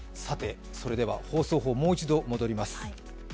それでは放送法もう一度戻ります。